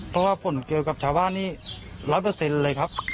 เพราะว่าผลเกี่ยวกับชาวบ้านนี่๑๐๐เลยครับ